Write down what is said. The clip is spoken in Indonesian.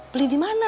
beli di mana